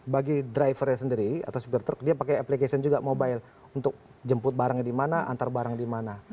bagi drivernya sendiri atau supir truk dia pakai application juga mobile untuk jemput barangnya di mana antar barang di mana